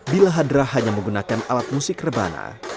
bila hadrah hanya menggunakan alat musik rebana